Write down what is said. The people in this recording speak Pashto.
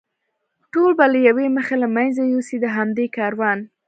ټول به له یوې مخې له منځه یوسي، د همدې کاروان.